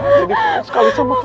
daddy takut sekali sama kamu